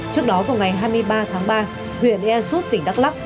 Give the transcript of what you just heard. trước đó vào ngày hai mươi ba tháng ba huyện ea súp tỉnh đắk lắc